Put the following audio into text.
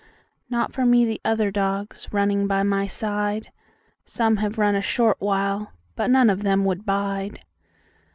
Not for me the other dogs, running by my side, Some have run a short while, but none of them would bide.